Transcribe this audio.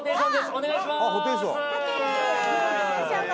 お願いしまーす